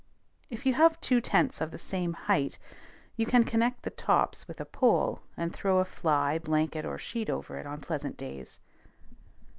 If you have two tents of the same height, you can connect the tops with a pole, and throw a fly, blanket, or sheet over it on pleasant days.